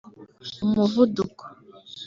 umuvuduko